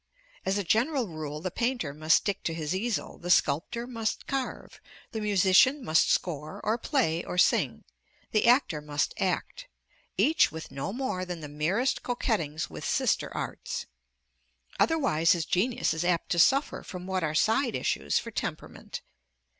As a general rule, the painter must stick to his easel, the sculptor must carve, the musician must score or play or sing, the actor must act, each with no more than the merest coquettings with sister arts. Otherwise his genius is apt to suffer from what are side issues for temperament.